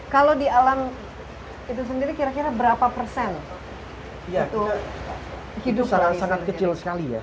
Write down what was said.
kalau di alam itu sendiri kira kira berapa persen itu hidup